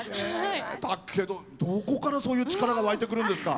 だけどどこからそういう力が湧いてくるんですか？